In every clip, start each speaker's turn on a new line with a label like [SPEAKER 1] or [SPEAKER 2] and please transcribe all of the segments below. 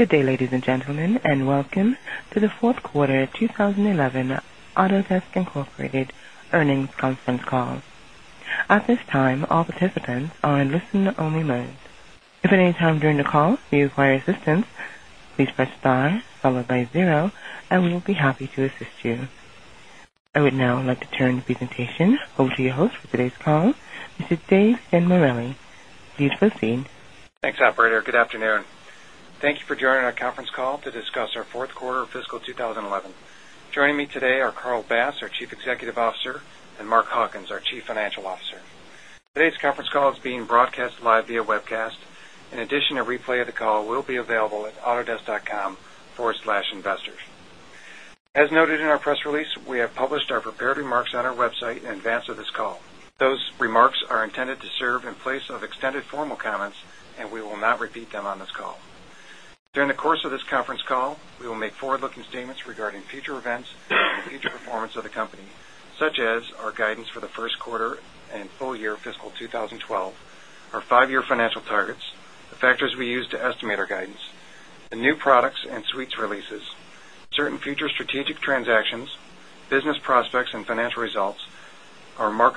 [SPEAKER 1] Good day, ladies and gentlemen, and welcome to the 4th Quarter 11 Autodesk Incorporated Earnings Conference Call. At this time, all participants are in listen only mode. I would now like to turn the presentation over to your host for today's call, Mr. Dave Sanmurelli. Please proceed.
[SPEAKER 2] Thanks, operator. Good afternoon. Thank you for joining our conference call to discuss our Q4 fiscal 2011. Joining me today are Carl Bass, our Chief Officer and Mark Hawkins, our Chief Financial Officer. Today's conference call is being broadcast live via webcast. In addition, a replay of the call will be available at autodesk.com
[SPEAKER 1] /
[SPEAKER 2] investors. As noted in our press release, we have published our prepared remarks on our website in advance of this call. Those remarks are intended to serve in place of extended formal comments, and we will not repeat them on this call. During the course of this conference call, we will make forward looking statements regarding future events and the future performance of the company, such as our guidance for the Q1 and full year fiscal 2012, our 5 year financial targets, the factors we use to estimate our guidance,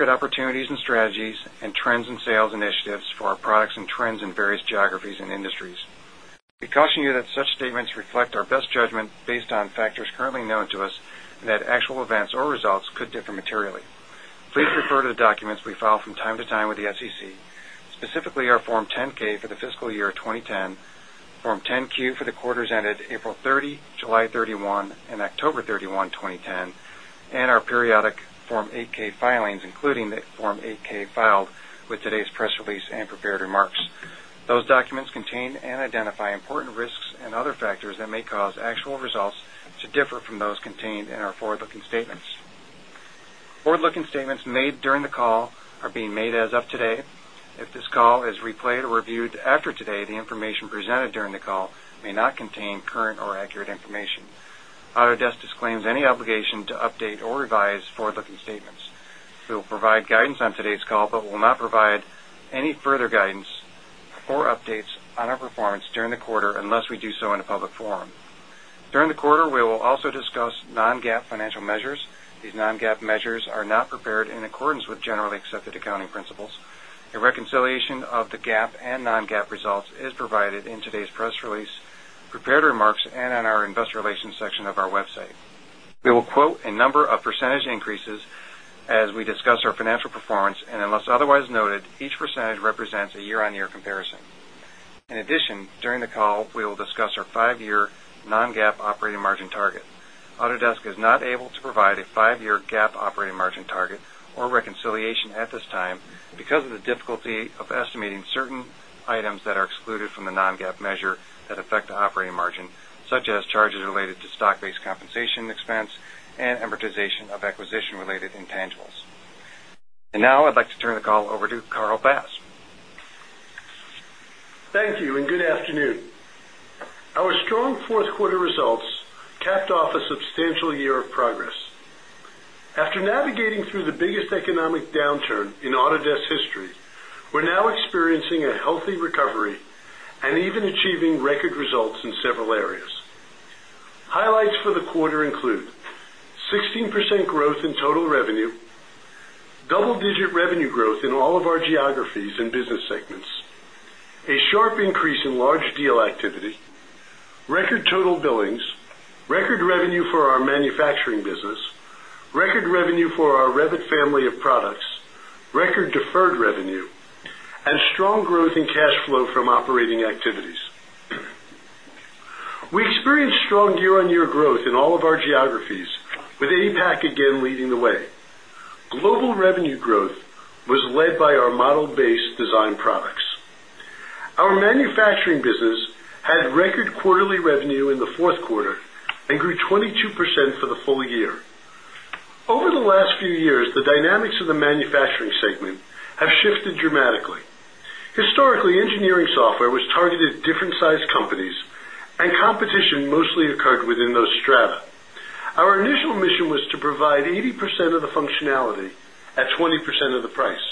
[SPEAKER 2] opportunities and strategies and trends and sales initiatives for our products and trends in various geographies and industries. We caution you that such statements reflect our best judgment based on factors currently known to us and that actual events or results could differ materially. Please refer to the documents we file from time to time with the SEC, specifically our Form 10 ks for the fiscal year 2010, Form 10 Q for the quarters ended April 30, July 31 and October 31, 2010 and our periodic Form 8 ks filings, including the Form 8 ks filed with today's press release and prepared remarks. Those documents contain and identify important risks and other factors that may cause actual results to differ from those contained in our forward looking statements. Forward looking statements made during the call are being made as of today. If this call is replayed or reviewed after today, the information presented during the call may not contain current or accurate information. Autodesk disclaims any obligation to update or revise forward looking statements. We will provide guidance on today's call, but will not provide any further guidance or updates on our performance during the quarter unless we do so in a public forum. During the quarter, we will also discuss non GAAP financial measures. These non GAAP measures are not prepared in accordance accordance with generally accepted accounting principles. A reconciliation of the GAAP and non GAAP results is provided in today's press release, prepared and on our Investor Relations section of our website. We will quote a number of percentage increases as we discuss our financial performance and unless otherwise noted, each percentage represents a year on year comparison. In addition, during the call, we will discuss our 5 year non GAAP operating margin target. Autodesk is not able to provide a 5 year GAAP operating margin target or reconciliation at this time because of the difficulty of estimating certain items that are excluded from the non GAAP measure that affect operating margin, such as charges related to stock based compensation expense and of acquisition related intangibles. And now, I'd like to turn the call over to Carl Bass.
[SPEAKER 3] Thank you, and good afternoon. Our strong 4th quarter results capped off a substantial year of progress. After navigating through the biggest economic downturn in Autodesk's history, we're now experiencing a healthy recovery and even achieving record results
[SPEAKER 1] in
[SPEAKER 3] record revenue for our manufacturing business, record revenue for our Revit family of products, record deferred revenue strong growth in cash flow from operating activities. We experienced strong year on year growth in all of our geographies with APAC again leading the way. Global revenue growth was led by our model based design products. Our manufacturing business record quarterly revenue in the 4th quarter and grew 22% for the full year. Over the last few years, the dynamics of the manufacturing segment have shifted dramatically. Historically, engineering software was targeted different sized companies and competition mostly occurred within those Strava. Our initial mission was to provide 80% of the functionality at 20% of the price.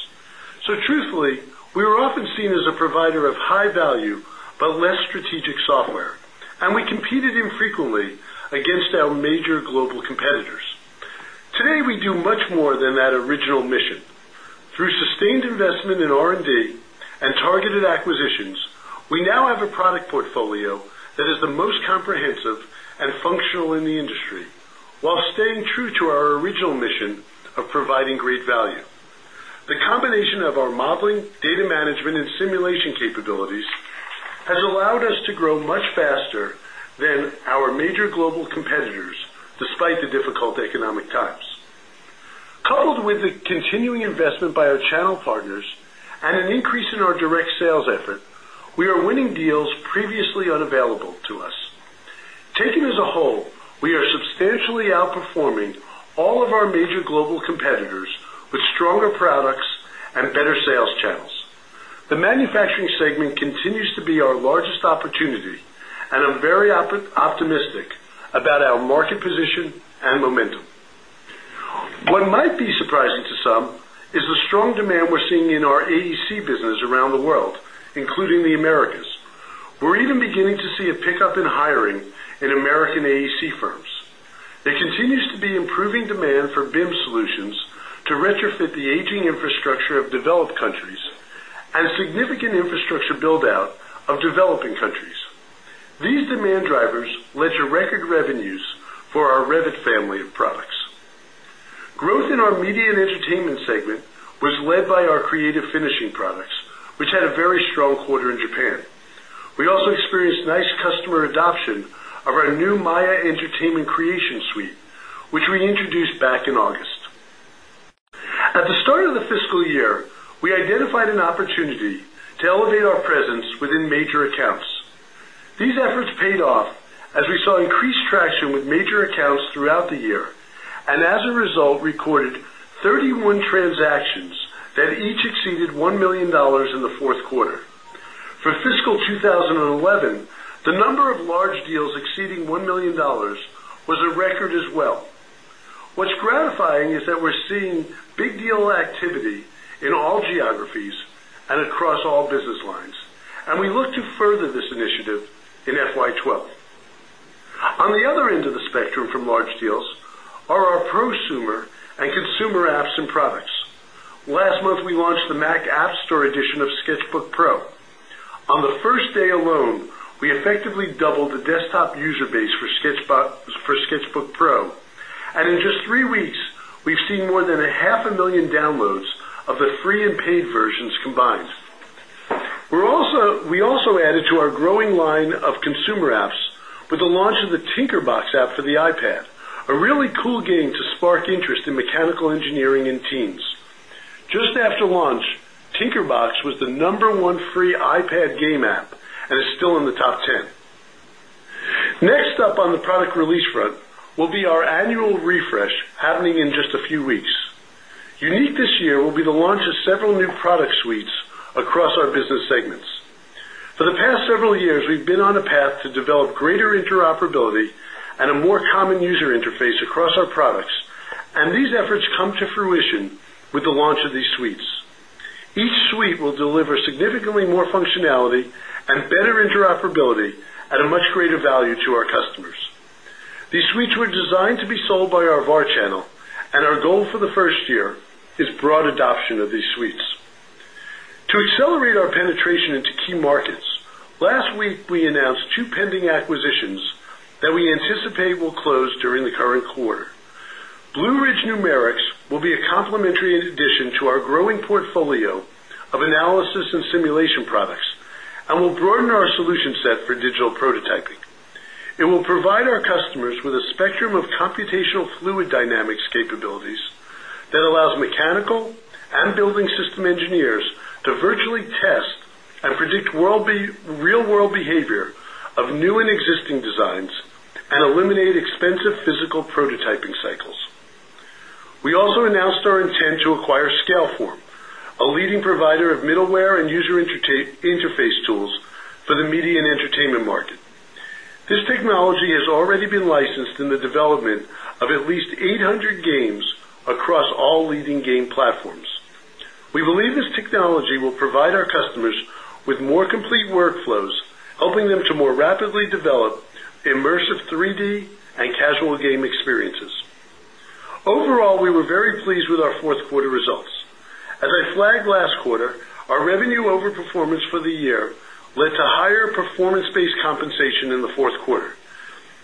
[SPEAKER 3] So truthfully, we were often seen as a provider of high value, but less strategic software and we competed infrequently against our major global competitors. Today, we do much more than that original mission. Through sustained investment in R and D and targeted acquisitions, we now have a product portfolio that is the most comprehensive and functional in the industry, while staying true to our original mission of providing great value. The combination of our modeling, data management and simulation capabilities has allowed us to grow much faster than our major global competitors despite the difficult economic times. Coupled with the continuing investment by our channel partners and an increase in our direct sales effort, we are winning deals previously unavailable to us. Taken as a whole, we are substantially outperforming all of our major global competitors with stronger products and better sales channels. The Manufacturing segment continues to be our largest opportunity and I'm very optimistic about our market position and momentum. What might be surprising to some is the strong demand we're seeing in our AEC business around the world, including the Americas. We're even beginning to see a pickup in hiring in American AEC firms. There continues to be improving demand for BIM solutions to retrofit the infrastructure of developed countries and a significant infrastructure build out of developing countries. These demand drivers led to record revenues for our Revit family of products. Growth in our Media and Entertainment segment was led by our Creative Finishing products, which had a very strong quarter in Japan. We also experienced nice customer adoption of our new Maya Entertainment Creation Suite, which we introduced back in August. At the start of the fiscal year, we identified an opportunity to elevate our presence within major accounts. These efforts paid off as we saw increased traction with major accounts throughout the year and as a result recorded 31 transactions that each exceeded $1,000,000 in the 4th quarter. For fiscal 2011, the number of large deals exceeding 1 a record as well. What's gratifying is that we're seeing big deal activity in all geographies and across all business lines. And we look to further this initiative in FY 'twelve. On the other end of the spectrum from large deals are our prosumer and consumer apps and products. Last month, we launched the Mac App Store edition of Sketchbook Pro. On the first day alone, we effectively doubled the desktop user base for Sketchbook Pro. And in just 3 weeks, we've seen more than
[SPEAKER 4] a
[SPEAKER 3] apps with the launch of the TinkerBox app for the iPad, a really cool game to spark interest in mechanical engineering in teams. Just after launch, TinkerBox was the number one free iPad game app and is still in the top 10. Next up on the product release front be our annual refresh happening in just a few weeks. Unique this year will be the launch of several new product suites across our business segments. For the past several years, we've been on a path to develop greater interoperability and a more common user interface across our products, and these efforts come to fruition with the launch of these suites. Each suite will deliver significantly more functionality and better interoperability at a much greater value to our customers. These suites were designed to be sold by our of these suites. To accelerate our penetration into key markets, last week we announced 2 pending acquisitions that we anticipate will close during the current quarter. Blue Ridge Numerix will be a complementary addition to our growing portfolio of of analysis and simulation products and will broaden our solution set for digital prototyping. It will provide our customers with a spectrum of computational fluid dynamics capabilities that allows mechanical and building system engineers to virtually test and predict real world behavior of new and existing designs and eliminate expensive physical prototyping cycles. We also announced our intent to acquire Scaleform, a leading provider of middleware and user interface tools for the media and entertainment market. This technology has already been licensed in the development of at least 800 games across all leading game platforms. We believe this technology will provide our customers with more complete workflows, were very pleased with our 4th quarter results. As I flagged last quarter, our revenue over performance for the year led to higher performance based compensation in the Q4.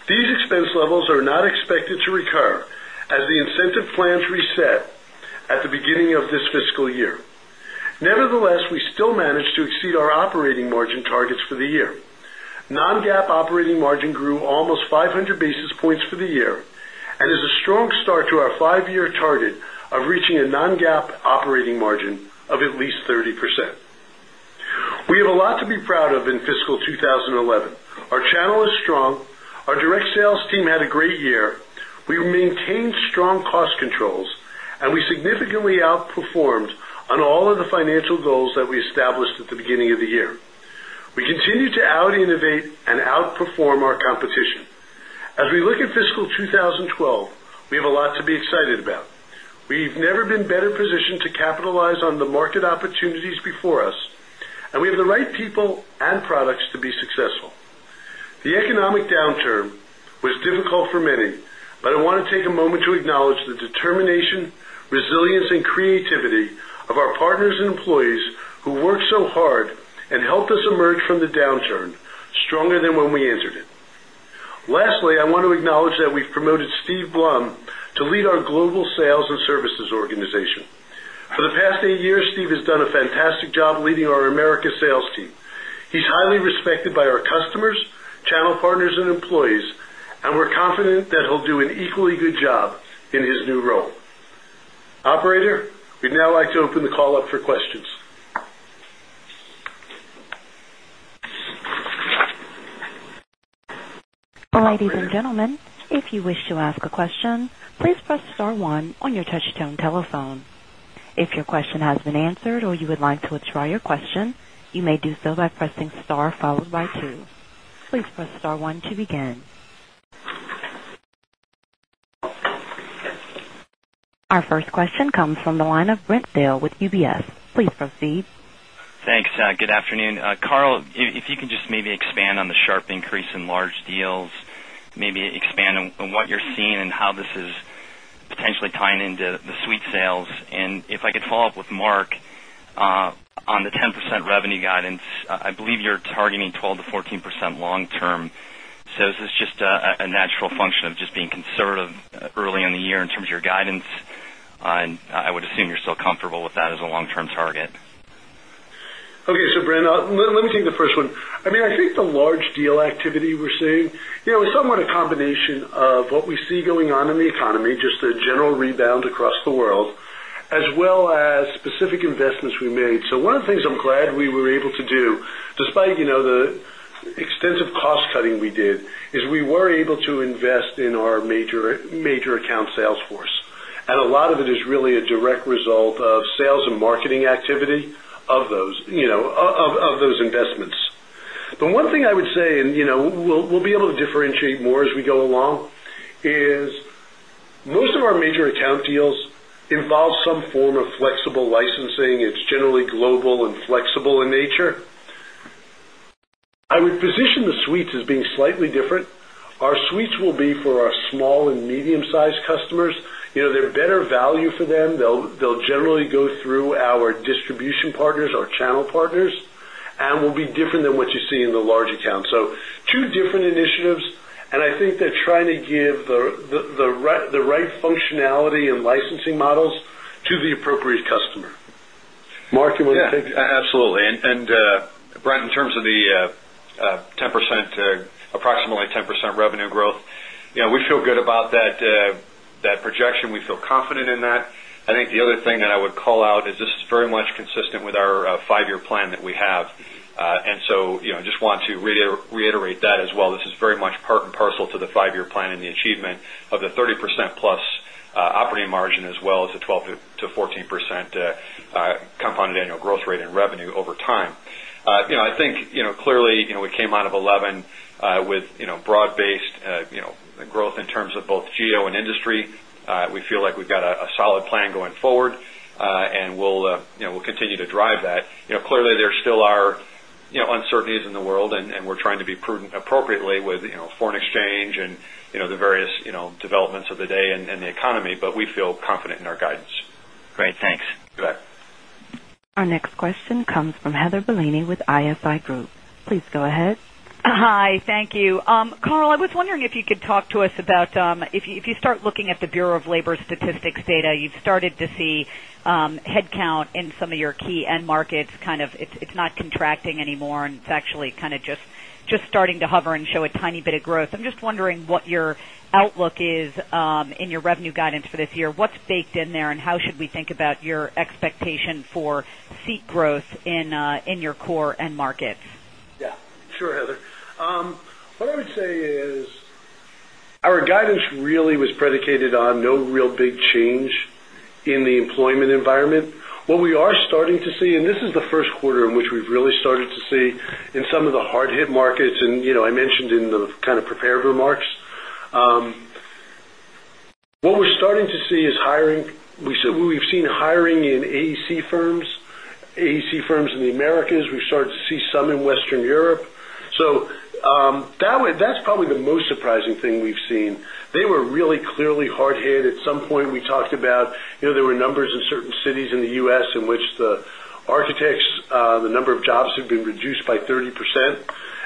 [SPEAKER 3] These expense levels are not expected to recur as the incentive plans reset at the beginning of this fiscal year. Nevertheless, we still managed to exceed our operating margin targets for the year. Non GAAP operating margin grew almost 500 basis points for the year and is a strong start to our year target of reaching a non GAAP operating margin of at least 30%. We have a lot to be proud of in fiscal 20 11. Our channel is strong. Our direct sales team had a great year. We maintained strong cost controls, and we significantly outperformed on all of the financial goals that we established at the beginning of the year. We continue to out innovate and outperform our competition. As we look at fiscal 2012, we have a lot to be excited about. We've never been better positioned to capitalize on the market opportunities before us and we have the right people and products to be successful. The economic downturn was difficult for many, but I want to take a moment to acknowledge the determination, resilience and creativity of our partners employees who work so hard and help us emerge from the downturn stronger than when we answered it. Lastly, I want to acknowledge that we've promoted Steve Blum to lead our global sales and services organization. For the past 8 years, Steve has done a fantastic job leading our America sales team. He's highly respected by our customers, channel partners and employees, and we're confident that he'll do an equally good job in his new role. Operator, we'd now like to open the call up for questions.
[SPEAKER 5] Our first question comes from the line of Brent Thill with UBS. Please proceed.
[SPEAKER 6] Thanks. Good afternoon. Carl, if you can just maybe expand on the sharp increase in large deals, maybe expand on
[SPEAKER 7] what you're seeing and how this is
[SPEAKER 4] potentially tying into the Suite sales? And if I could follow-up with Mark,
[SPEAKER 6] long term. So, is this just a natural function of just being conservative early in the year in terms of your guidance? And I would assume you're still comfortable with that as a long term target.
[SPEAKER 3] Okay. So, Bren, let me take the first one. I mean, I think the large deal activity we're seeing is somewhat a combination of what we see going on in the economy, just a general rebound across the world, as well as specific investments we made. So, one of the things I'm glad we were able to do, despite the extensive cost cutting we did, is we were able to invest in our major account sales force. And a lot of it is really a direct result of sales and marketing activity of those investments. But one thing I would say, and we'll be able to differentiate more as we go along, is most of our major account deals involve some form of flexible licensing. It's generally global and flexible in nature. I would position the suites as being slightly different. Our suites will be for our small and medium sized customers. They're better value for them. They'll generally go through our distribution partners, our channel partners and will be different than what you see in the large accounts. So, 2 different initiatives. And I think they're trying to give the right functionality and licensing models to the appropriate customer. Mark, you want to take?
[SPEAKER 8] You want to take Yes, absolutely. And Brent, in terms of the 10% approximately 10% revenue growth, we feel good about that projection. We feel confident in that. I just want to reiterate that as well. This is very much part and parcel to the 5 year plan and the achievement of the 30% plus operating margin as well as the 12% to 14% compounded annual growth rate in revenue over time. I think clearly, we came out of 11% with broad based growth in terms of both geo and industry. We feel like we've got a solid plan going forward and we'll continue to drive that. Clearly, there still are uncertainties in the world and we're trying to be prudent appropriately with foreign exchange and the various developments of the day and the economy, but we feel confident in our guidance.
[SPEAKER 9] Great, thanks.
[SPEAKER 5] Our next question comes from Heather Bellini with IFI Group. Please go ahead.
[SPEAKER 10] Hi. Thank you. Carl, I was wondering if you could talk to us about if you start looking at the Bureau of Labor Statistics data, you've started to see headcount in some of your key end markets, it's not contracting anymore and it's actually just starting to hover and show a tiny bit of growth. I'm just wondering what your outlook is in your revenue guidance for this year. What's baked in there and how should we think about your expectation for seat growth in your core end markets?
[SPEAKER 3] Yes. Sure, Heather. What I would say is, our guidance really was predicated on no real big change in the employment environment. What we are starting to see and this is the Q1 in which we've really started to see in some of the hard hit markets and I mentioned in the kind of prepared remarks. What we're starting to see is hiring. We've seen hiring in AEC firms, AEC firms in the Americas. We've started to see some in Western Europe. So, that's probably the most surprising thing we've seen. They were really clearly hard hit. At some point, we talked about there were numbers in certain cities in the U. S. In which the architects, the number of jobs have been reduced by 30%.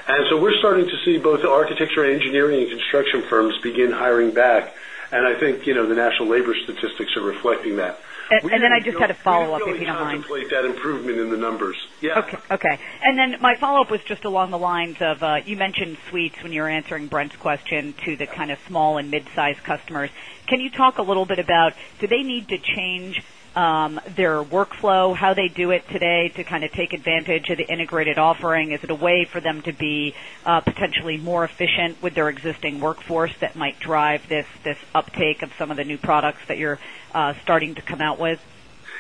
[SPEAKER 3] And so, we're starting to see both the architecture, engineering and construction firms begin hiring back. And I think the national labor statistics are reflecting that.
[SPEAKER 10] And then I just had a follow-up, if you don't mind.
[SPEAKER 4] We can
[SPEAKER 3] contemplate that improvement in the numbers.
[SPEAKER 10] Okay. And then my follow-up was just along the lines of you mentioned suites when you're answering Brent's question to the kind of small and midsized customers. Can you talk a little bit about do they need to change their workflow, how they do it today to kind of take advantage of the integrated offering? Is it a way for them to be potentially more efficient with their existing workforce that might drive this uptake of some of the new products that you're starting to come out with?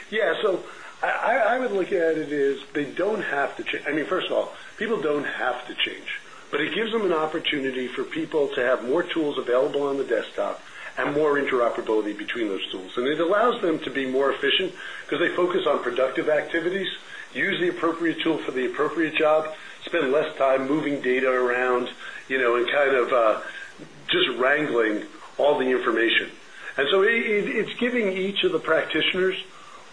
[SPEAKER 3] Yes. So I would look at it is they don't have to I mean, first of all, people don't have to change, but it gives them an opportunity for people to have more tools available on the desktop and more interoperability between those tools. And it allows them to be more efficient because they focus on productive activities, use the appropriate tool for the appropriate job, spend less time moving data around and kind of just wrangling all the information. And so it's giving each the practitioners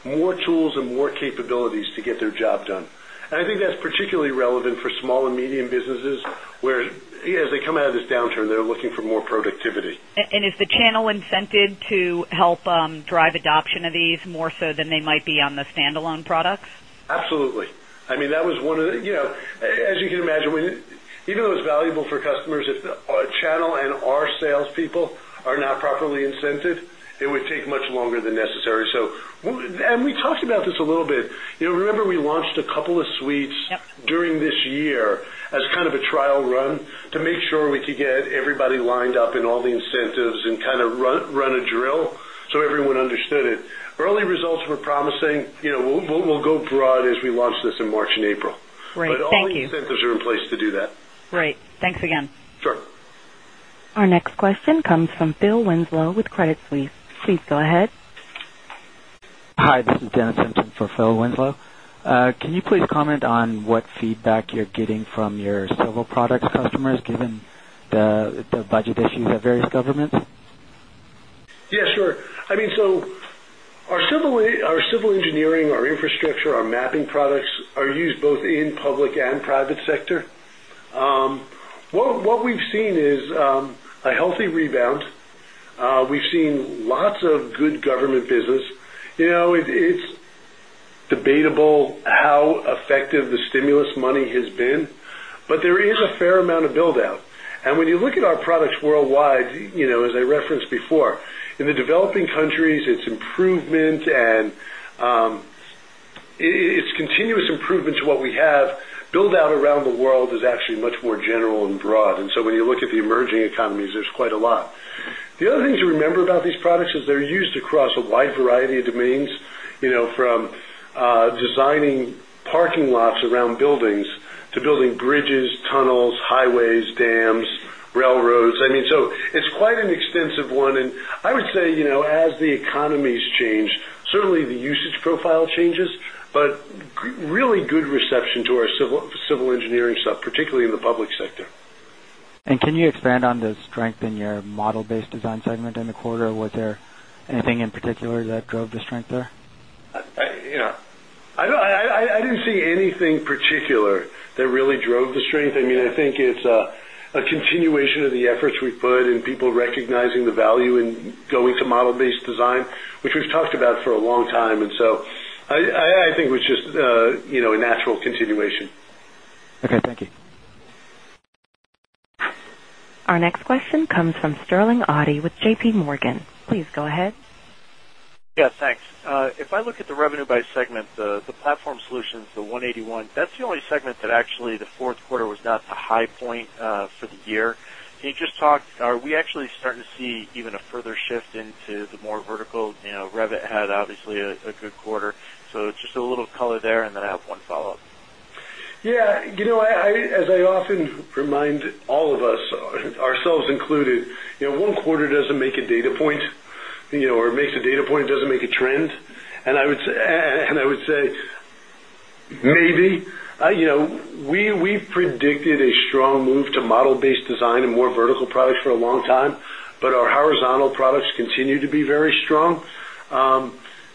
[SPEAKER 3] more tools and more capabilities to get their job done. And I think that's particularly relevant for small and medium businesses, whereas as they come out of this downturn, they're looking for more productivity.
[SPEAKER 10] And is the channel incented to help drive adoption of these more so than they might be on the standalone products?
[SPEAKER 3] Absolutely. I mean, that was one of the as you can imagine, even though it's valuable for customers, if our channel and our salespeople are not properly incented, it would take much longer than necessary. So, and we talked about this a little bit. Remember, we launched a couple of suites during this year as kind of a trial run to make sure we could get everybody lined up in all the incentives and kind of run a drill, so everyone understood it. Early results were promising. We'll go broad as we launch this in March April.
[SPEAKER 4] Right. Thank you.
[SPEAKER 3] But all the incentives are in place to do that.
[SPEAKER 5] Our next question comes from Phil Winslow with Credit Suisse. Please go ahead.
[SPEAKER 11] Hi. This is Dennis Simpson for Phil Winslow. Can you please comment on what feedback you're getting from your several products customers given the budget issues at various governments?
[SPEAKER 3] Yes, sure. I mean, so our civil engineering, our infrastructure, our mapping products are used both in public and private sector. What we've seen is a healthy rebound. We've seen lots of good government business. It's debatable how effective the stimulus money has been, but there is a fair amount of build out. And when you look at our products worldwide, as I referenced before, in the developing countries, it's
[SPEAKER 4] And so, when you look at the emerging economies, there's quite
[SPEAKER 3] a lot. The other thing to And so, when you look at the emerging economies, there's quite a lot. The other thing to remember about these products is they're used across a wide variety of domains from designing parking lots around buildings to building bridges, tunnels, highways, dams, railroads. I mean, so, it's quite an extensive one. And I would say, as the economies change, certainly the usage profile changes, but really good reception to our civil engineering stuff, particularly in the public sector.
[SPEAKER 11] And can you expand on the strength in your Model Based Design segment in the quarter? Was there anything in particular that drove the strength there?
[SPEAKER 3] I didn't see anything particular that really drove the strength. I mean, I think it's a continuation of the efforts we put and people recognizing the value in going to model based design, which we've talked about for a long time. And so, I think it was just a natural continuation.
[SPEAKER 11] Okay. Thank you.
[SPEAKER 5] Our next question comes from Sterling Auty with JPMorgan. Please go ahead.
[SPEAKER 12] Yes, thanks. If I look at the revenue by segment, the Platform Solutions, the 181, that's the only segment that actually the Q4 was not the high point for the year. Can you just talk, are we actually starting to see even a further shift into the more vertical? Revit had obviously a good quarter. So just a little color there. And then I have one follow-up.
[SPEAKER 3] Yes. As I often remind all of us ourselves included, 1 quarter doesn't make a data point or it makes a data point, doesn't make a trend. And I would say, maybe. We predicted a strong move to model based design and more vertical products for a long time, but our horizontal products continue to be very strong.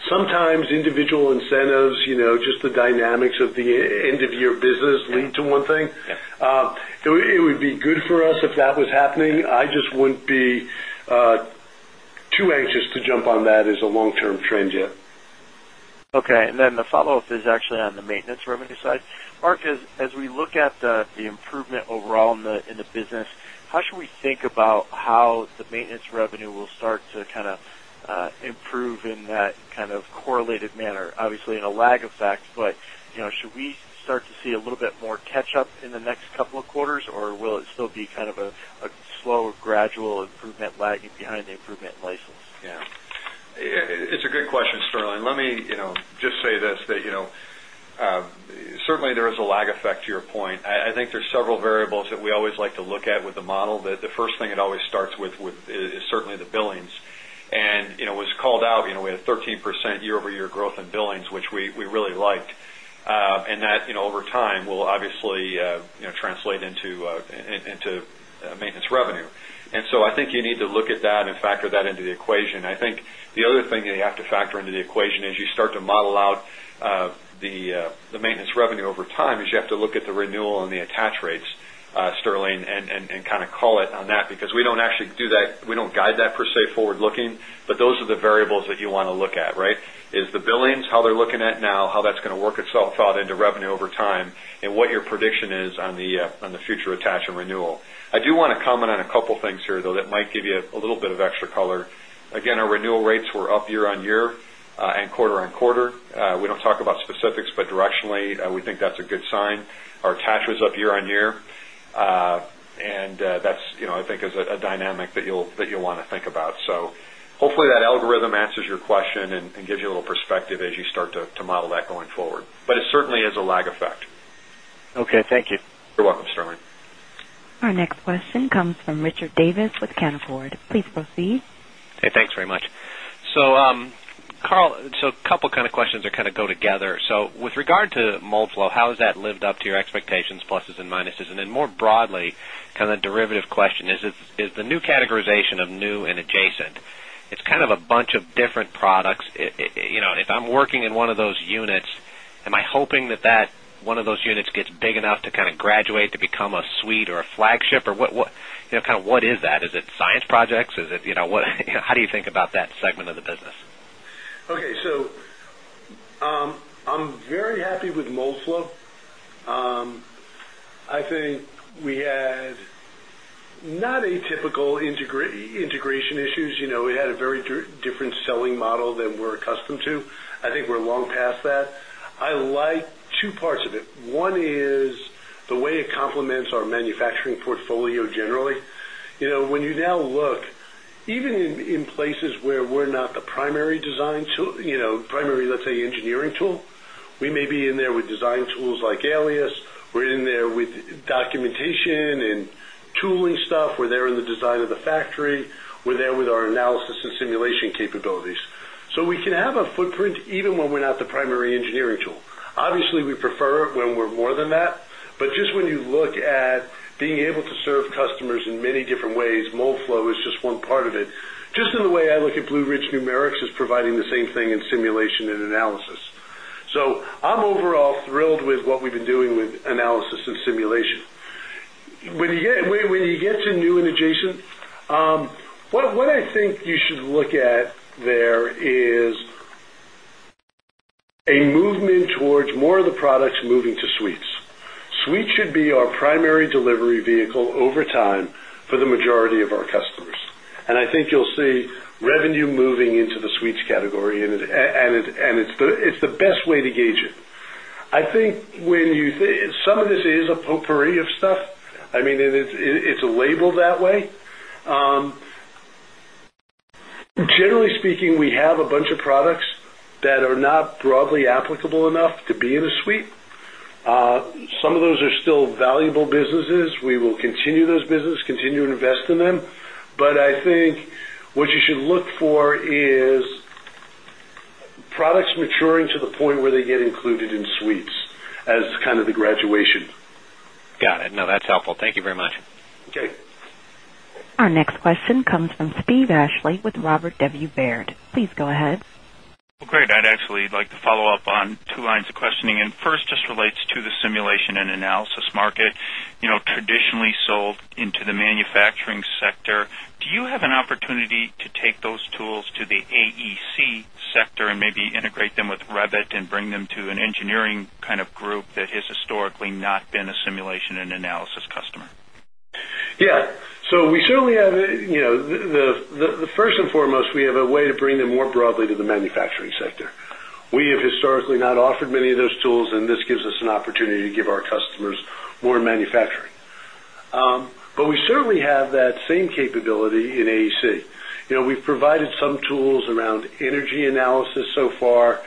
[SPEAKER 3] Sometimes individual incentives, just the dynamics of the end of your business lead to one thing. It would be good for us if that was happening. I just wouldn't be too anxious to jump on that as a long term trend yet.
[SPEAKER 12] Okay. And then the follow-up is actually on the maintenance revenue side. Mark, as we look at the improvement overall in the business, how should we think about how the maintenance revenue will start to kind of improve in that kind of correlated manner, obviously in a lag effect, but should we start to see a little bit more catch up in the next couple of quarters or will it still be kind of a slower gradual improvement lagging behind the improvement license?
[SPEAKER 8] Yes. It's a good question, Sterling. Let me just say this that certainly there is a lag effect to your point. I think there's several variables that we always like to look at with the model that the first thing it always starts with is certainly the billings. And was called out with 13% year over year growth in billings, which we really liked and that over time will obviously translate into maintenance revenue. And so I think you need to look at that and factor that into the equation. I think the other thing that you have to factor into the equation as you start to model out the maintenance revenue over time is you have to look at the renewal and the attach rates, Sterling, and kind of call it on that because we don't actually do that. We don't guide that per se forward looking, but those are the variables that you want to look at, right? Is the billings how they're looking at now, how that's going to work itself thought into revenue over time and what your prediction is on the future attach and renewal. I do want to comment on a couple of things here though that might give you a little bit of extra color. Again, our renewal rates were up year on year and quarter on quarter. We don't talk about specifics, but directionally, we think that's a good sign. Our attach was up year on year and that's I think is a dynamic that you'll want to think about. So hopefully that algorithm answers your question and gives you a little perspective as you start to model that going forward. But it certainly is a lag effect.
[SPEAKER 9] Okay, thank you. You're
[SPEAKER 8] welcome, Sterling.
[SPEAKER 5] Our next question comes from Richard Davis with Canaccord. Please proceed.
[SPEAKER 13] Hey, thanks very much.
[SPEAKER 3] So, Carl, so couple of
[SPEAKER 13] kind of questions that kind of go together. So with regard to MoldFlow, how has that lived up to your expectations pluses and minuses? And then more broadly kind of derivative question, is the new categorization of new and adjacent, it's kind of a bunch of different products. If I'm working in one of those units, am I hoping that, that one of those units gets enough to kind of graduate to become a suite or a flagship or what kind of what is that? Is it science projects? Is it what how do you think about that segment of the business?
[SPEAKER 3] Okay. So, I'm very happy with Moldslope. I think we had not atypical integration issues. We had a very different selling model than we're accustomed to. I think we're long past that. I like 2 parts of it. One is the way it complements our manufacturing portfolio generally. When you now look, even in places where we're not the primary design the design of the factory. We're there with our analysis and simulation capabilities. We're there the design of the factory, we're there with our analysis and simulation capabilities. So, we can have a footprint even when we're not the primary engineering tool. Obviously, we prefer it when we're more than that. But just when you look at being able to serve customers Numerics is providing the same thing in simulation and analysis. So, I'm overall thrilled with what we've been doing with analysis and simulation. When you get to new and adjacent, what I think you should look at there is a movement towards more of the products moving to suites. Suites should be our primary delivery vehicle over time for the majority of our customers. And I think you'll see revenue moving into the sweets category and it's the best way to gauge it. I think when you some of this is a potpourri of stuff. I mean, it's a label that way. Generally speaking, we have a bunch of products that are not broadly applicable enough to be in a suite. Some of those are still valuable businesses. We will continue those business, continue to invest in them. But I think what you should look for is products maturing to the point where they get included in suites as kind of the graduation.
[SPEAKER 13] Got it. No, that's helpful. Thank you very much.
[SPEAKER 5] Okay. Our next question comes from Steve Ashley with Robert W. Baird. Please go ahead.
[SPEAKER 14] Great. I'd actually like to follow-up on two lines of questioning. And first just relates to the simulation and analysis market, traditionally sold into the manufacturing sector. Do you have an opportunity to take those tools to the AEC sector and maybe integrate them with Revit and bring them to an engineering kind of group has historically not been a simulation and analysis customer?
[SPEAKER 3] Yes. So, we certainly have the first and foremost, we have a way to bring them more broadly to the manufacturing sector. We have historically not offered many of those tools and this gives us an opportunity to give our customers more manufacturing. But we certainly have that same capability in AEC. We've provided some tools around energy analysis so far.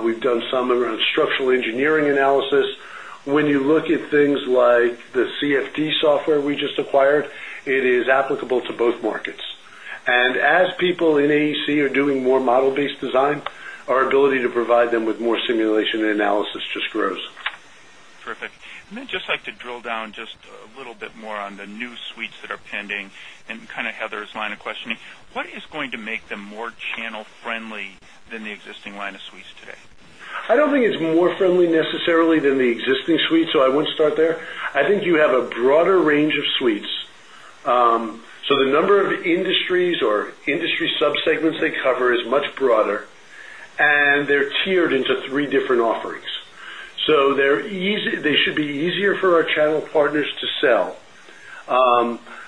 [SPEAKER 3] We've done some around structural engineering analysis. When you look at things like the CFD software we just acquired, it is applicable to both markets. And as people in AEC are doing more model based design, our ability to provide them with more simulation and analysis just
[SPEAKER 14] grows. Perfect. And then just like to drill down just a little bit more on the new suites that are pending and kind of Heather's line of questioning. What is going to make them more channel friendly than the existing line of suites today?
[SPEAKER 3] I don't think it's more friendly necessarily than the existing suites, so I wouldn't start there. I think you have a broader range of suites. So the number of industries or industry sub segments they cover is much broader and they're tiered into 3 different offerings. They're easy they should be easier for our channel partners to sell.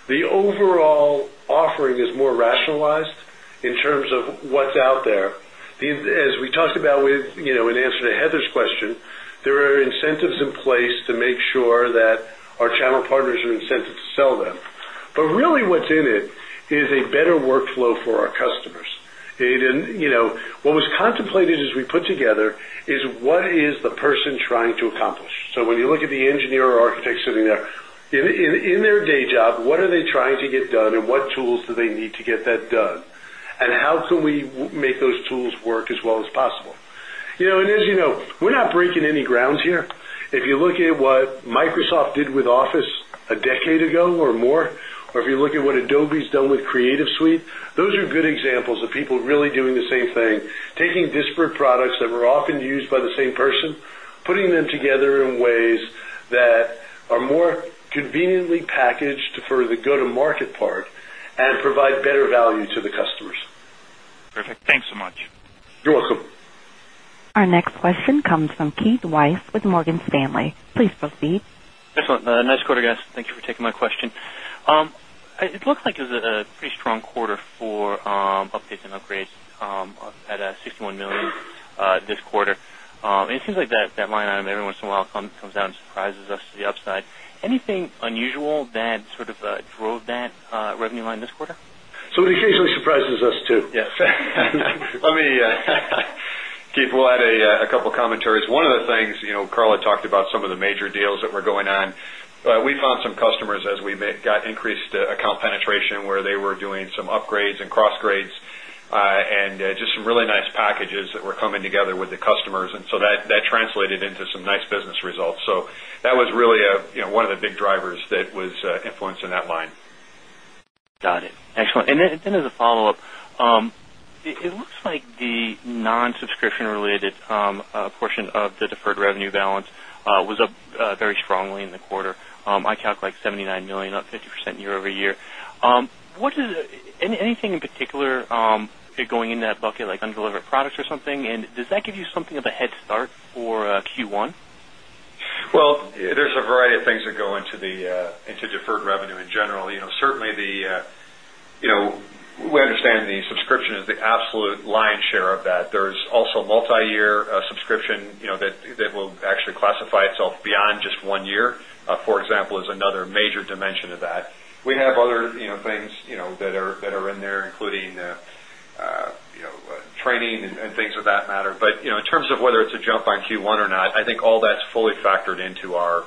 [SPEAKER 3] The overall offering is more rationalized in terms of what's out there. As we talked about with an answer to Heather's question, there are incentives in place to make sure that our channel partners are incentive to sell them. But really what's in it is a better workflow for our customers. What was contemplated as we put together is what is the person trying to accomplish. So, when you look at the engineer or architect sitting there, in their day job, what are they trying to get done and what tools do they need to get that done? And how can we make those tools work as well as possible? And as you know, we're not breaking any grounds here. If you look at what Microsoft did with Office a decade ago or more or if you look at what Adobe has done with Creative Suite, those are good examples of people really doing the same thing, taking disparate products that were often used by the same person, putting them together in ways that are more conveniently packaged for the go to market part and provide better value to the customers. Perfect. Thanks so much. You're welcome.
[SPEAKER 5] Our next question comes from Keith Weiss with Morgan Stanley. Please proceed.
[SPEAKER 12] Excellent. Nice quarter, guys.
[SPEAKER 9] Thank you for taking my question. It looks like it was a pretty strong quarter for updates and upgrades at $61,000,000 this quarter. It seems like that line item every once in a while comes out and surprises us to the upside. Anything unusual that sort of drove that revenue line this quarter?
[SPEAKER 3] So, it occasionally surprises us too.
[SPEAKER 8] Let me Keith, we'll add a couple of commentaries. One of the things, Carla talked about some of the major deals that were going on. We found some customers as we got increased account penetration where they were doing some upgrades and cross grades and just some really nice packages that were coming together with the customers and so that translated into some nice business results. So that was really one of the big drivers that was influencing that line.
[SPEAKER 9] Got it. Excellent. And then as a follow-up, it looks like the non subscription related portion of the deferred revenue balance was up very strongly in the quarter. I calculate $79,000,000 up 50% year over year. What is anything in particular going in that bucket like undelivered products or something? And does that give you something of a head start for Q1? Well, there's a variety
[SPEAKER 8] of things that go into deferred revenue in general. Certainly, the we understand the subscription is the absolute lion's share of that. There is also multi year subscription that will actually classify itself beyond just 1 year, for example, is another major things of that matter. But in terms of whether it's a jump on Q1 or not, I think all that's things of that matter. But in terms of whether it's a jump on Q1 or not, I think all that's fully factored into our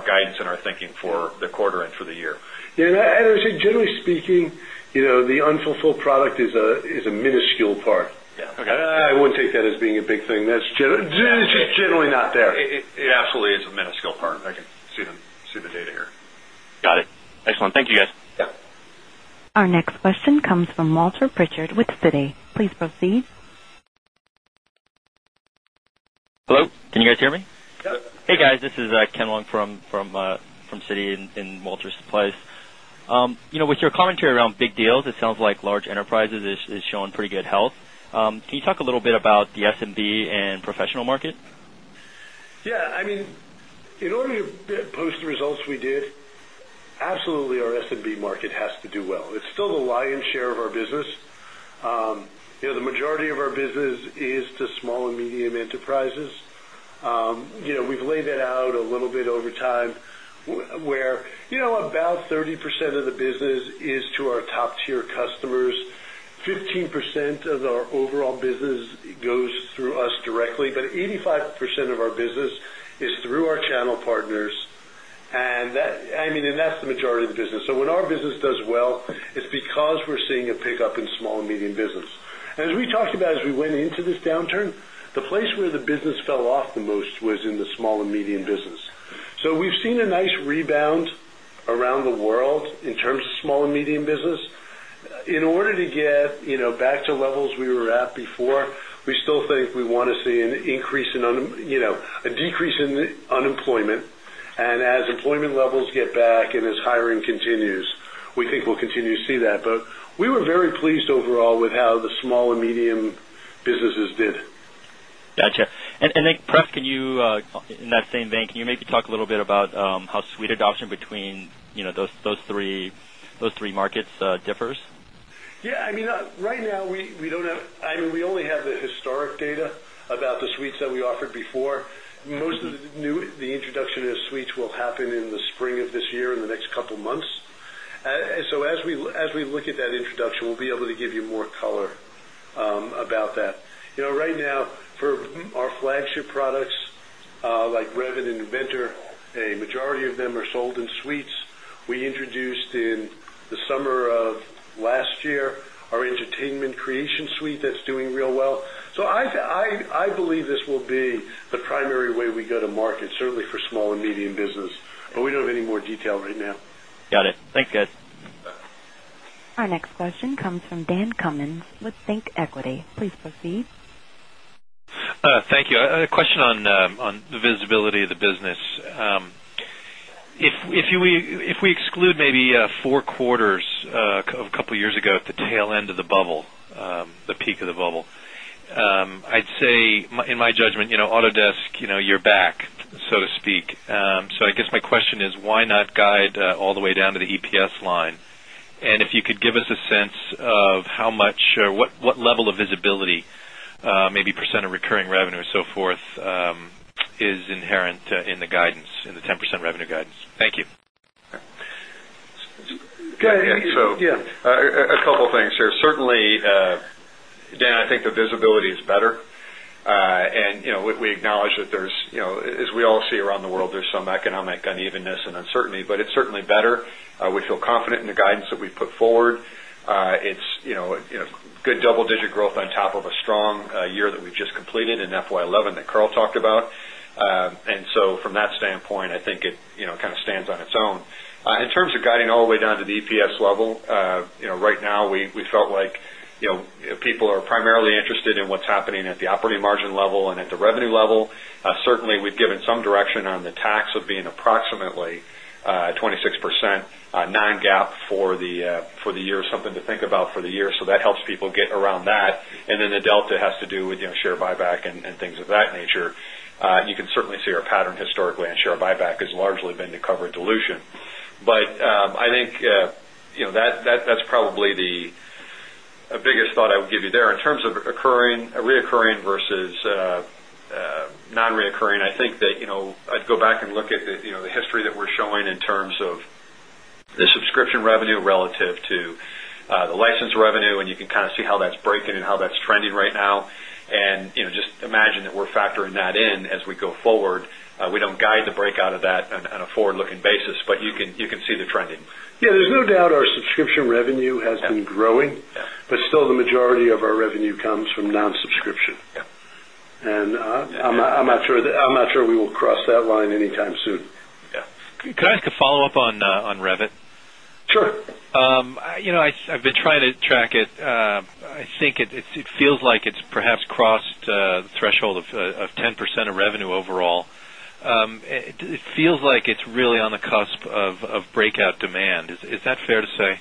[SPEAKER 8] guidance and our thinking for the quarter and for the year.
[SPEAKER 3] And as you generally speaking, the unfulfilled product is a minuscule part.
[SPEAKER 4] Yes. I
[SPEAKER 3] would take that as being a big thing. That's generally not there.
[SPEAKER 8] Absolutely, it's a minuscule part. I can see the data here.
[SPEAKER 5] Our next question comes from Walter Pritchard with Citi. Please proceed.
[SPEAKER 15] Hello. Can you guys hear me?
[SPEAKER 3] Yes.
[SPEAKER 15] Hey, guys. This is Ken Wong from Citi in Walter's Place. With your comment around big deals, it sounds like large enterprises is showing pretty good health. Can you talk a little bit about the SMB and professional market?
[SPEAKER 3] Yes. I mean, to post the results we did, absolutely our SMB market has to do well. It's still the lion's share of our business. The majority of our business is to small and medium enterprises. We've laid that out a little bit over time where about 30% of the business is to our top tier customers, 15% of our overall business goes through us directly, but 85% of our business is through our channel partners. And that I mean, and that's the majority of the business. So when our business does well, it's because we're seeing a pickup in small and medium business. And as we talked about as we went into this downturn, the place where the business fell off the most was in the small and medium business. So we've seen a nice rebound around the world in terms of small and medium business. In order to get back to levels we were at before, we still think we want to see an increase in a decrease in unemployment. And as employment levels get back and as hiring continues, we think we'll continue to see that. But we were very pleased overall with how the small and medium businesses did.
[SPEAKER 15] And then perhaps can you in that same vein, can you maybe talk a little bit about how suite adoption between those three markets differs?
[SPEAKER 3] Yes. I mean, right now, we don't have I mean, we only have the historic data about the suites that we offered before. Most of the new the introduction of suites will happen in the spring of this year in the next couple of months. So as we look at that introduction, we'll be able to give you more color about that. Right now for our flagship products like Revant and Inventor, a majority of them are sold in suites. We introduced in the summer of last year our entertainment creation suite that's doing real well. So, I believe this will be the primary way we go to market, certainly for small and medium business, but we don't have any more detail right now.
[SPEAKER 15] Got it. Thanks guys.
[SPEAKER 5] Our next question comes from Dan Cummins with ThinkEquity. Please proceed.
[SPEAKER 16] Thank you. A question on the visibility of the business. If we exclude maybe 4 quarters a couple of years ago at the tail end of the bubble, the peak of the bubble, I'd say in my judgment Autodesk, you're back so to speak. So I guess my question is why not guide all the way down to the EPS line? And if you could give us a sense of how much or what level of visibility maybe percent of recurring revenue so forth is inherent in the guidance, in the 10% revenue guidance?
[SPEAKER 13] Thank you.
[SPEAKER 8] So a couple of things here. Certainly, Dan, I think the visibility is better. And we acknowledge that there is as we all see around the world, there is some economic unevenness and uncertainty, but it's certainly better. We feel confident in the guidance that we've put forward. It's good double digit growth on top of a strong year that we've just completed in FY11 that Karl talked about. And so from that standpoint, I think it kind of stands on its own. In terms of guiding all the way down to the EPS level, right now, we felt like people are primarily interested in what's happening at the operating margin level and at the revenue level. Certainly, we've given some direction on the tax of being approximately 26% non GAAP for the year or something to think about for the year. So that helps people get around that. And then the delta has to do with share buyback and things of that nature. You can certainly see our pattern historically on share buyback has largely been to cover dilution. But I think that's probably the biggest thought I would give you there. In terms of recurring, reoccurring versus non reoccurring, I think that I'd go back and look at the history that we're showing in terms of the subscription revenue relative to the license revenue and you can kind of see how that's break and how that's trending right now. And just imagine that we're factoring that in as we go forward. We don't guide the breakout of that on a forward looking basis, but you can see the trending.
[SPEAKER 3] Yes, there's no doubt our subscription revenue has been growing, but still the majority of our revenue comes from non subscription. And I'm not sure we will cross that line anytime soon. Yes. Can I
[SPEAKER 16] ask a follow-up on Revit?
[SPEAKER 3] Sure.
[SPEAKER 16] I've been trying to track it. I think it feels like it's perhaps crossed the threshold of 10% of revenue overall. It feels like it's really on the cusp of breakout demand. Is that fair to say?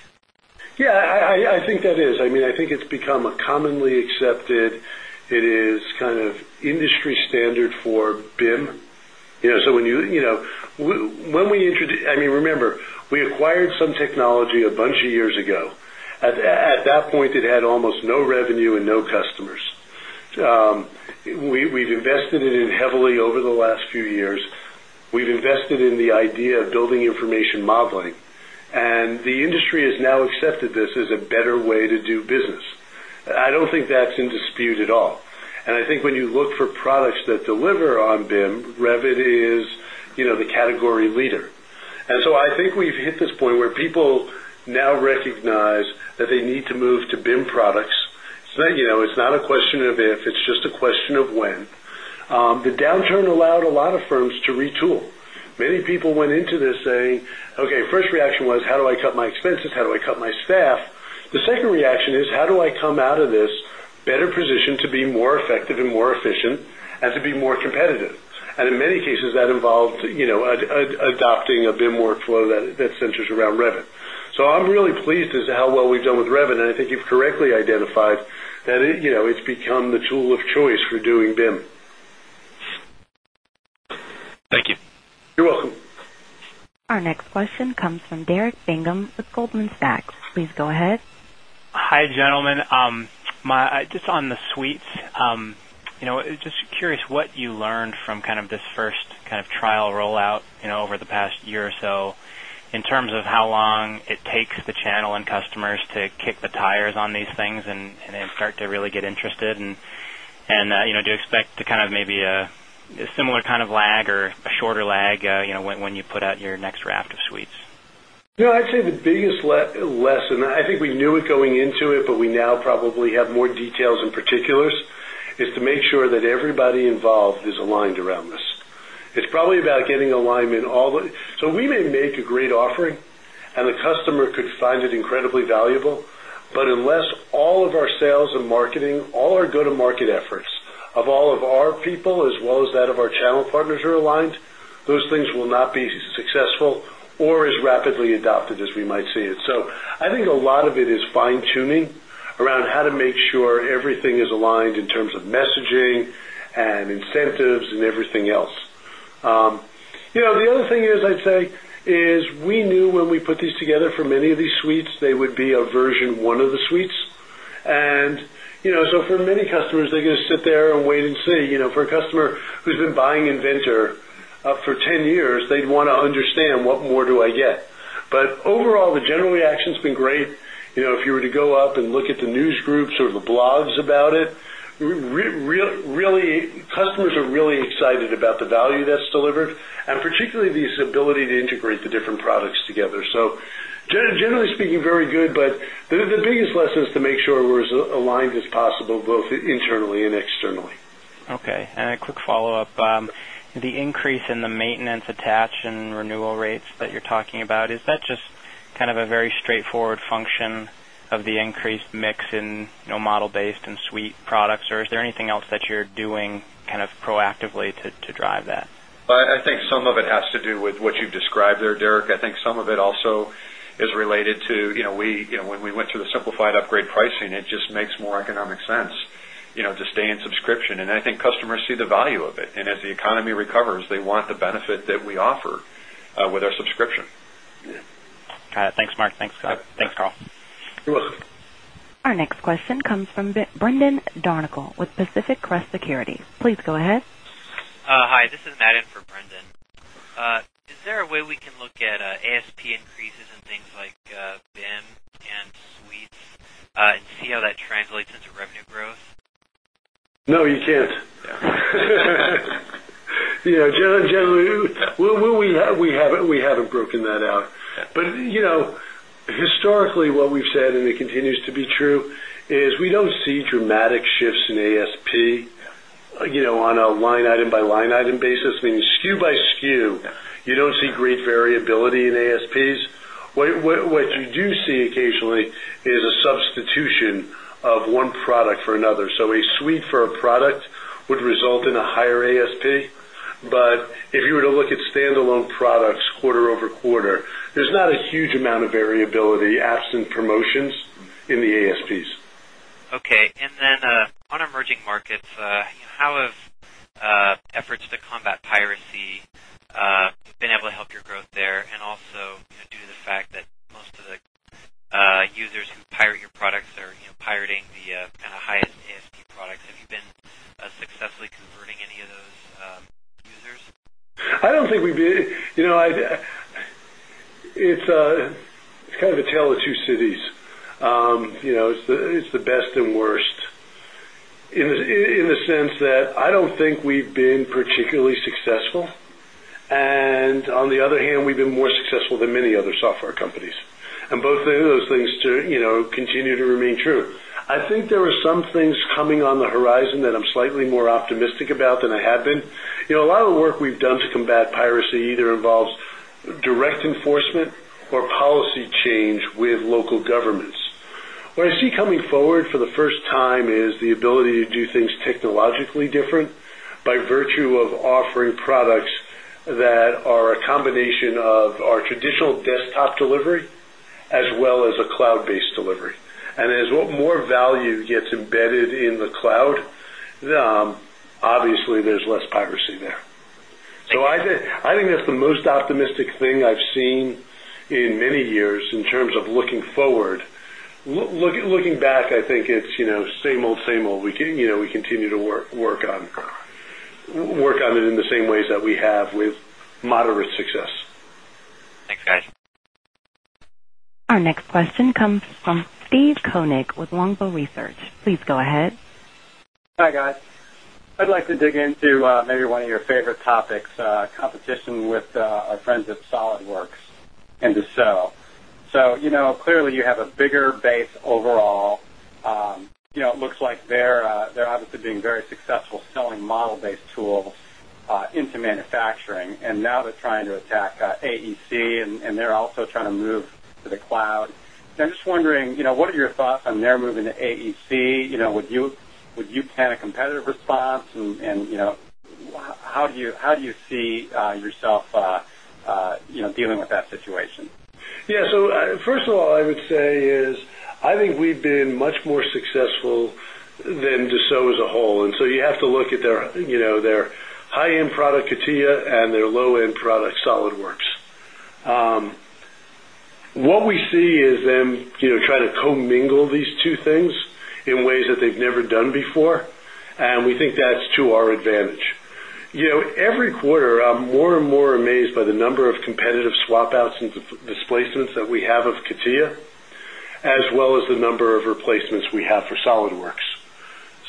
[SPEAKER 3] Yes, I think that is. I mean, I think it's become a commonly accepted. It is kind of industry standard for BIM. So, when you when we I mean, remember, we acquired some technology a bunch of years ago. At that point, it had almost invested in the idea of building information modeling. And the industry has now accepted this as a better way to do business. I don't think that's in dispute at all. And I think when you look for products that deliver on BIM, Revit is the category leader. And so, I think we've hit this point where people now recognize that they need to move to BIM products. It's not a question of if, it's just a question of when. The downturn allowed a lot of firms to retool. Many people went into this saying, okay, first reaction was how do I cut my expenses, how do I cut my staff? The second reaction is how do I come out of this better positioned to be more effective and more efficient and to be more competitive? And in many cases, that involved adopting a BIM workflow that centers around revenue. So, I'm really pleased as to how well we've done with revenue. And I think you've correctly identified that it's become the tool of choice for doing BIM.
[SPEAKER 8] Thank you.
[SPEAKER 3] You're welcome.
[SPEAKER 5] Our next question comes from Derek Bingham with Goldman Sachs. Please go ahead.
[SPEAKER 6] Hi, gentlemen. Just on the suites, just curious what you learned from kind of this first kind of trial rollout over the past year or so in terms of how long it takes the channel and customers to kick the tires on these things and then start to really get interested? And do you expect to kind of maybe a similar kind of lag or a shorter lag when you put out your next raft of suites?
[SPEAKER 3] I'd say the biggest lesson, I think we knew it going into it, but we now probably have more details in particulars, is to make sure that everybody involved is aligned around this. It's probably about getting alignment all the so we may make a great offering and the customer could it incredibly valuable. But unless all of our sales and marketing, all our go to market efforts of all of our people as well as that of our channel partners are aligned, those things will not be successful or as rapidly adopted as we might see it. So, I think a lot of it is fine tuning around how to make sure everything is aligned in terms of messaging and incentives and everything else. The other thing is, I'd say, is we knew when we put these together for many of these suites, they would be a version 1 of the suites. And so for many customers, they're going to sit there and wait and see. For a customer who's been buying Inventor for 10 years, they'd want to understand what more do I get. But overall, the general reaction has been great. If you were to go up and look at the news groups or the blogs about it, really customers are really excited about the value that's delivered and particularly this ability to integrate different products together. So, generally speaking, very good, but the biggest lesson is to make sure we're as aligned as possible, both internally and externally.
[SPEAKER 6] Okay. And a quick follow-up. The increase in the maintenance attach and renewal rates that you're talking about, is that just kind of a very straightforward function of the increased mix in model based and suite products or is there anything else that you're doing kind of proactively to drive that?
[SPEAKER 8] I think some of it has to do with what you've described there, Derek. I think some of it also is related to when we went through the simplified upgrade pricing, it just makes more economic sense to stay in subscription. And I think customers see the value of it. As the economy recovers, they want the benefit that we offer with our subscription.
[SPEAKER 4] Got it.
[SPEAKER 13] Thanks, Mark. Thanks, Scott. Thanks, Carl.
[SPEAKER 3] You're welcome.
[SPEAKER 5] Next question comes from Brendan Darnachal with Pacific Crest Securities. Please go ahead.
[SPEAKER 17] Hi. This is Matt in for Brendan. Is there a way we can look at ASP increases and things like BIM and Suites and see how that translates into revenue growth?
[SPEAKER 3] No, you can't. Yes. Gentle, we haven't broken that out. But historically, what we've said and it continues to be true is we don't see dramatic shifts in ASP on a line item by line item basis. I mean, SKU by SKU, you don't see great variability in ASPs. What you do see occasionally is a substitution of one product for another. So, a suite for a product would result in a higher ASP. But if you were to look at standalone products quarter over quarter, there's not a huge amount of variability absent promotions in the ASPs.
[SPEAKER 17] Okay. And then on emerging markets, how have efforts to combat piracy been able to help your growth there? And also due to the fact that most of the users who pirate your products are pirating the kind of highest ASP products. Have you been successfully converting any of those users?
[SPEAKER 3] I don't think we did. It's kind of a tale of 2 cities. It's the best and worst in the sense that I don't think we've been particularly to continue to remain true. I think there are some things coming on the horizon that I'm slightly more optimistic about than I have been. A lot of the work we've done to combat piracy either involves direct enforcement or policy change with local governments. What I see coming forward for the first time is the ability to do things technologically different by virtue of offering products that are a combination of our traditional desktop delivery as well as a cloud based delivery. And as more value gets embedded in the cloud, obviously, there's less piracy there. So, I think that's the most optimistic thing I've seen in many years in terms of looking forward. Looking back, I think it's same old, same old. We continue to work on it in the same ways that we have with moderate
[SPEAKER 5] Hi, guys. I'd
[SPEAKER 18] Hi, guys. I'd like to dig into maybe one of your favorite topics, competition with our friends at SOLIDWORKS and Dassault. So clearly, you have a bigger base overall. It looks like they're obviously being very successful selling model based tools into manufacturing. And now they're trying to attack AEC and they're also trying to move to the cloud. And I'm just wondering what are your thoughts on their moving to AEC? Would you plan a competitive response? And how do you see yourself dealing with that situation?
[SPEAKER 3] Yes. So, first of all, I would say is, I think we've much more successful than Dassault as a whole. And so, you have to look at their high end product CATIA and their low end product SOLIDWORKS. What we see is them trying to commingle these two things in ways that they've never done before and we think that's to our advantage. Every quarter, I'm more and more amazed by the number SOLIDWORKS.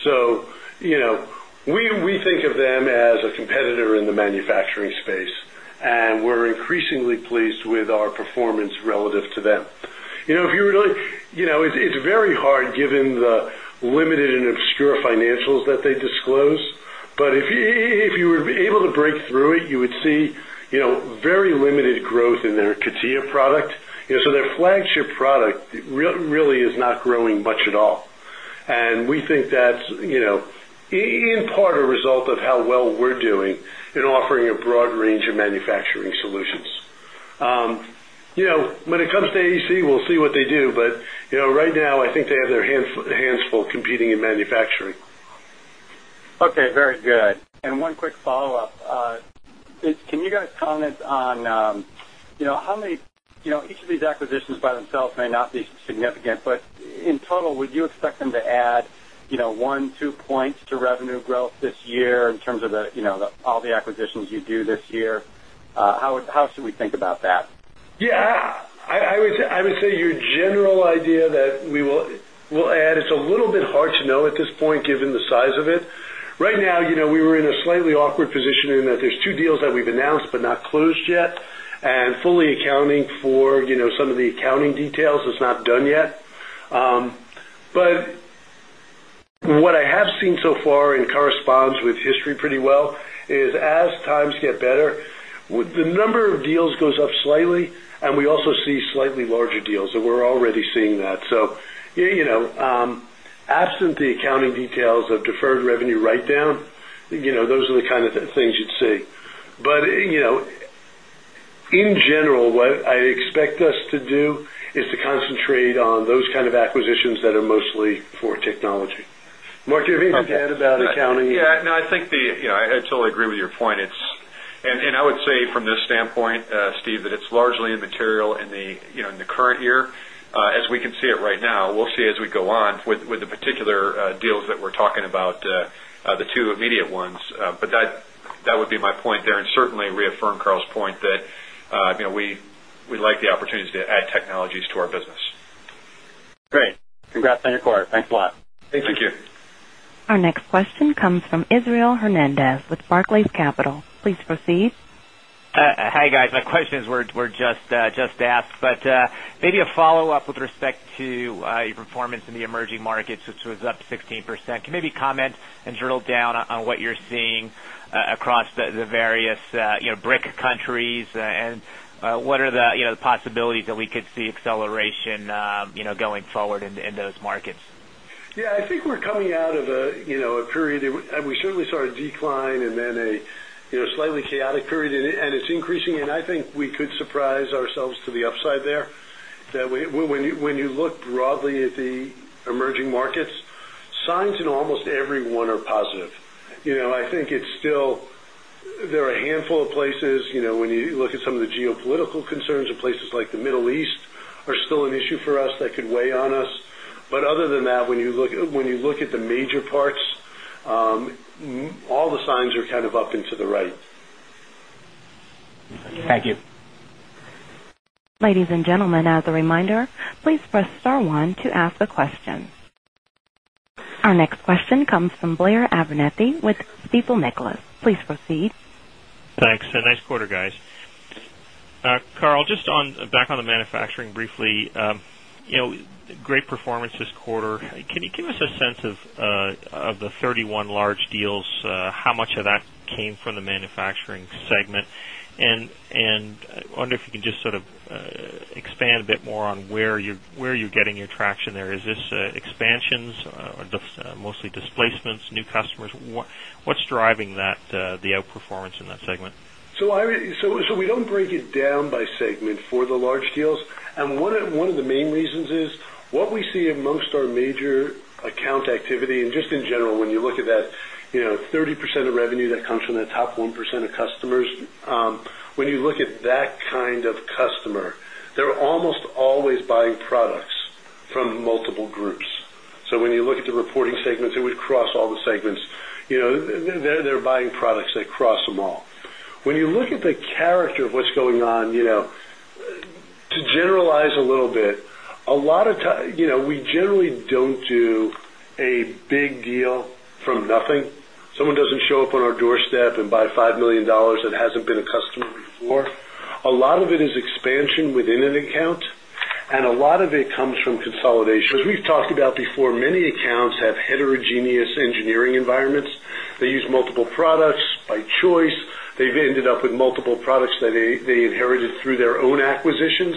[SPEAKER 3] So, we think of them as a competitor in the manufacturing space and we're increasingly pleased with our performance relative to them. If you really it's very hard given the limited and obscure financials that they disclose. But if you were able to break through it, you would see very limited growth in their CATIA product. So, their flagship product really is not growing much at all. And we think that's in part a result of how well we're doing in offering a broad range of manufacturing solutions. When it comes to AEC, we'll see what they do. But right now, I think they have their hands full competing in manufacturing.
[SPEAKER 18] Okay, very good. And one quick follow-up. Can you guys comment on how many each of these acquisitions by themselves may not be significant, but in total, would you expect them to add 1, 2 points to revenue growth this year in terms of all the acquisitions you do this year? How should we think about that?
[SPEAKER 3] Yes. I would say your general idea that we will add, it's a little bit hard to know at this point given the size of it. Right now, we were in a slightly awkward position in that there's 2 deals that we've announced, but not closed yet and fully accounting for some of the accounting details is not done yet. But what I have seen so far and corresponds with history pretty well is as times get better, the number of deals goes up slightly and we also see slightly larger deals and we're already seeing that. So, absent the accounting details of
[SPEAKER 4] deferred revenue write down, those are
[SPEAKER 3] the kind of things you'd is to concentrate on those kind of acquisitions that are mostly for technology. Mark, do you have anything
[SPEAKER 16] to add about accounting? Yes. No, I think the
[SPEAKER 8] I totally agree with your point. It's and I would say from this standpoint, Steve, that it's largely immaterial in the current year. As we can see it right now, we'll see as we go on with the particular deals that we're talking about, the the particular deals that we're talking about, the 2 immediate ones, but that would be my point there and certainly reaffirm Karl's point that we like the opportunities to add technologies to our business.
[SPEAKER 18] Great. Congrats on your quarter. Thanks a lot.
[SPEAKER 8] Thank you. Thank you.
[SPEAKER 5] Our next question comes from Israel Hernandez with Barclays Capital. Please proceed.
[SPEAKER 6] Hi, guys. My questions were just asked. But maybe a follow-up with respect to your performance in the emerging markets, which was up 16%. Can maybe comment and drill down on what you're seeing across the various BRIC countries and what are the possibilities that we could see acceleration going forward in those markets?
[SPEAKER 3] Yes, I think we're coming out of a period and we certainly saw a decline and then a slightly chaotic period and it's increasing. And I think we could surprise ourselves to the upside there. When you look broadly at the emerging markets, signs in almost every one are positive. I think it's still there are a handful of places when you look at some of the geopolitical concerns in places like the Middle East are still an issue for us that could weigh on us. But other than that, when you look at the major parts, all the signs are kind of up into the right.
[SPEAKER 18] Thank you.
[SPEAKER 5] Our next question comes from Blair Abrunethy with Stifel Nicolaus. Please proceed.
[SPEAKER 19] Thanks. Nice quarter guys. Carl, just on back on the manufacturing briefly, great performance this quarter.
[SPEAKER 17] Can you give us
[SPEAKER 19] a sense of the 31 large deals, how much of that came from the manufacturing segment? And I wonder if you can just sort of expand a bit more on where you're getting your traction there. Is this expansions, mostly displacements, new customers? What's driving that the outperformance in that segment?
[SPEAKER 3] So we don't amongst our major account activity and just in general when you look at that, 30% of revenue that comes from the top 1% of customers, when you look at that kind of customer, they're almost always buying products from multiple groups. So, when you look at the reporting segments, it would cross all the segments. They're buying products, they cross them all. When you look at the character of what's going on, to generalize a little bit, bit, we generally don't do a big deal from nothing. Someone doesn't show up on our doorstep and buy $5,000,000 that hasn't been a customer before. A lot of it is expansion within an account and a lot of it comes from consolidation. As we've talked about before, many accounts have heterogeneous engineering environments. They use multiple products by choice. They've ended up with multiple products that they inherited through their own acquisitions.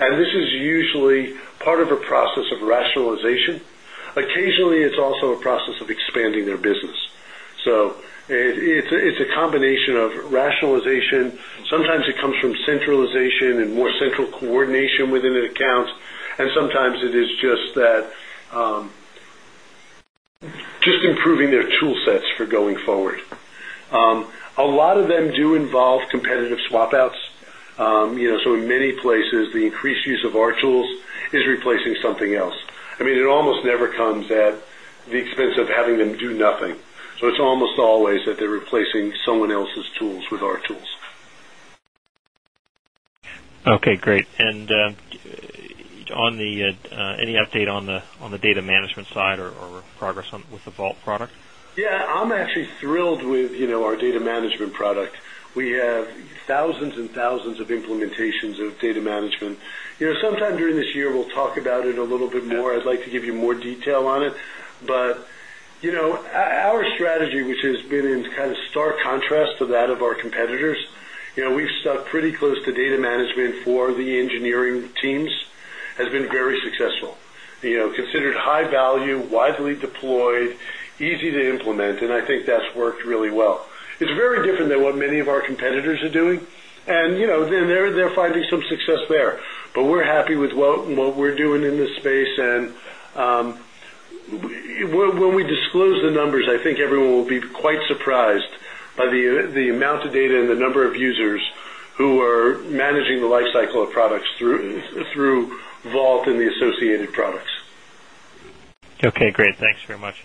[SPEAKER 3] And this is usually part of a process of rationalization. Occasionally, it's also a process of expanding their business. So, it's a combination of rationalization. Sometimes it comes from centralization and more just
[SPEAKER 8] that
[SPEAKER 3] just improving their tool sets for going forward. A lot of them do involve competitive swap outs. So in many places, the increased use of our tools is replacing something else. I mean, it almost never comes at the expense of having them do nothing. So, it's almost always that they're replacing someone else's tools with our tools.
[SPEAKER 19] Okay, great. And on the any update on the data management side or progress with the Vault product?
[SPEAKER 3] Yes. I'm actually thrilled with our data management product. We have thousands and thousands of implementations of management. Sometime during this year, we'll talk about it a little bit more. I'd like to give you more detail on it. But our strategy, which has been in kind of stark contrast to that of our competitors, we've stuck pretty close to data management for the engineering teams has been very successful, considered high value, widely deployed, easy to implement, and I think that's worked really well. It's very different than what many of our competitors are doing. And they're finding some success there. But we're happy with what we're doing in this space. And when we disclose the numbers, I think everyone will be quite surprised by the amount of data and the number of users who are managing the lifecycle of products through Vault and the associated products.
[SPEAKER 19] Okay, great. Thanks very much.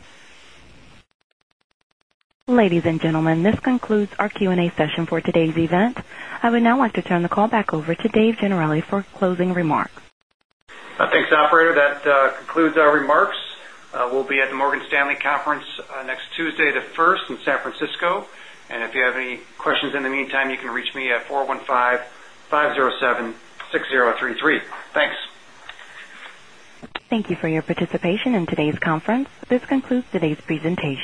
[SPEAKER 5] Ladies and gentlemen, this concludes our Q and A session for today's event. I would now like to turn the call back over to Dave Gianarelli for closing remarks.
[SPEAKER 8] Thanks, operator. That concludes our remarks.
[SPEAKER 2] We'll be at the Morgan Stanley Conference next Tuesday, 1st in San
[SPEAKER 5] you for your participation in today's conference. This concludes today's presentation.